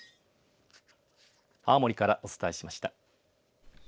青森からお伝えしました。